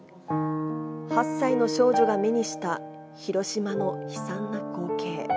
８歳の少女が目にした、広島の悲惨な光景。